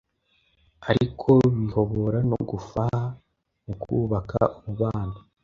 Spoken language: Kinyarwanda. ariko bihobora no gufaha mukubaka umubano